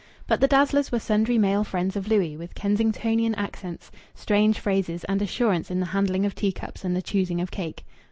But the dazzlers were sundry male friends of Louis, with Kensingtonian accents, strange phrases, and assurance in the handling of teacups and the choosing of cake....